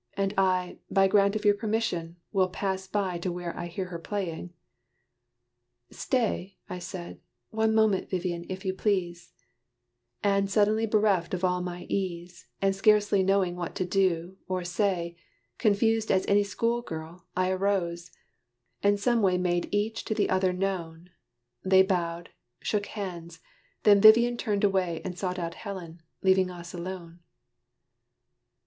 And I, by grant of your permission, will Pass by to where I hear her playing." "Stay!" I said, "one moment, Vivian, if you please;" And suddenly bereft of all my ease, And scarcely knowing what to do, or say, Confused as any school girl, I arose, And some way made each to the other known They bowed, shook hands: then Vivian turned away And sought out Helen, leaving us alone.